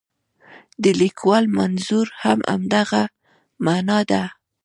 د لیکوال منظور هم همدغه معنا ده.